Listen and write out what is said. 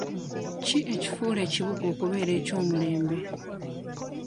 Ki ekifuula ekibuga okubeera eky'omulembe?